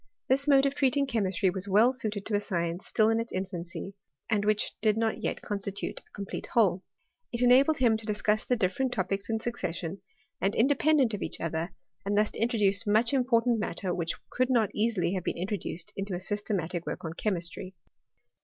This mode of treating chemistry was well suited to a science still in its infancy, and which did not yet constitute a com plete whole. It enabled him to discuss the different topics in succession, and independent of each other : and thus to introduce much important matter which could not easily have been introduced into a systematic work on chemistry.